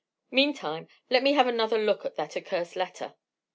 Meantime, let me have another look at that accursed letter."